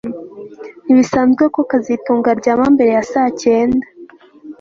Ntibisanzwe ko kazitunga aryama mbere ya saa cyenda